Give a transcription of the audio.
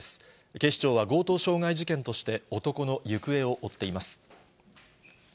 警視庁は強盗傷害事件として、男の行方を追っています。